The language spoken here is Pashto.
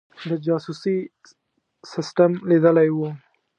د جاسوسي سسټم لیدلی وو.